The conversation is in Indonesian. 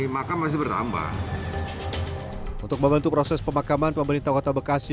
makam masih bertambah untuk membantu proses pemakaman pemerintah kota bekasi